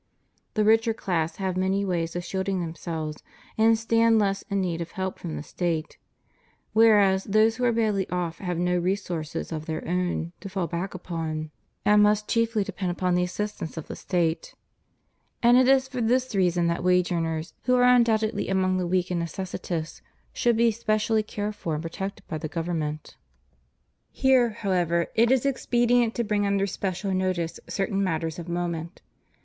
The richer class have many ways of shielding themselves, and stand less in need of help from the State ; whereas those who are badly off have no resources of their owti to fall back upon, and must chiefly depend upon the assistance of the State. And it is for this reason that wage earners, who are un doubtedly among the weak and necessitous, fehould b« specially cared for and protected by the Government. 232 CONDITION OF THE WORKING CLASSES. Here, however, it is expedient to bring under special notice certain matters of moment.